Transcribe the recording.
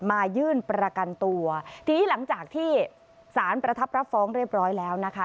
มายื่นประกันตัวทีนี้หลังจากที่สารประทับรับฟ้องเรียบร้อยแล้วนะคะ